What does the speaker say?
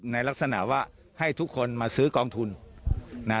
ในลักษณะว่าให้ทุกคนมาซื้อกองทุนนะ